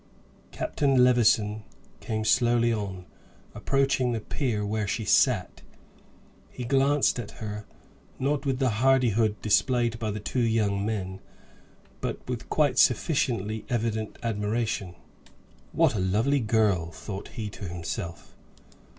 Captain Levison came slowly on, approaching the pier where she sat. He glanced at her; not with the hardihood displayed by the two young men, but with quite sufficiently evident admiration. "What a lovely girl!" thought he to himself.